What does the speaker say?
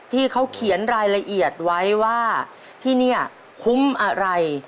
ที่เขาเขียนรายละเอียดไว้ว่าที่นี่คุ้มอะไร